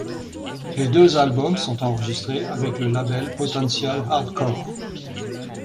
Les deux albums sont enregistrés avec le label Potencial Hardcore.